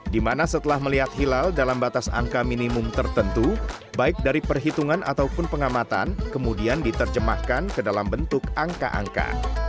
dimana setelah melihat hilal dalam batas angka minimum tertentu baik dari perhitungan ataupun pengamatan kemudian diterjemahkan ke dalam bentuk angka angka